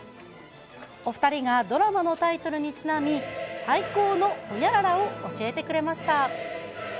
お２人がドラマのタイトルにちなみ、最高のホニャララを教えてくれました。